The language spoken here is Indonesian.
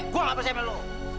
gua ga percaya sama lo